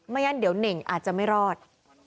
งั้นเดี๋ยวเน่งอาจจะไม่รอด